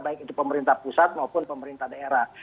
baik itu pemerintah pusat maupun pemerintah daerah